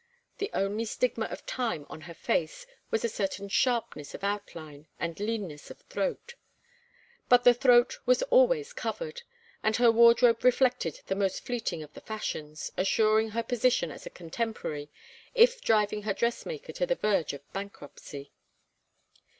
The only stigma of time on her face was a certain sharpness of outline and leanness of throat. But the throat was always covered, and her wardrobe reflected the most fleeting of the fashions, assuring her position as a contemporary, if driving her dressmaker to the verge of bankruptcy.